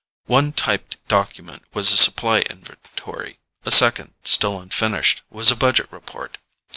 One typed document was a supply inventory; a second, still unfinished, was a budget report.